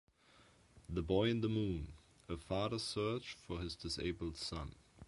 The Boy in the Moon: A Father's Search for His Disabled Son.